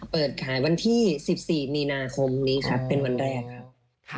เปิดขายวันที่๑๔มีนาคมนี้ครับเป็นวันแรกครับ